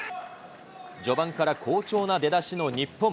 序盤から好調の出だしの日本。